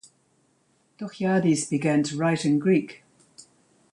Doxiadis began to write in Greek.